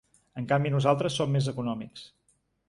En canvi nosaltres som més econòmics.